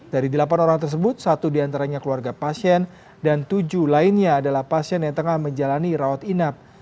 dari delapan orang tersebut satu diantaranya keluarga pasien dan tujuh lainnya adalah pasien yang tengah menjalani rawat inap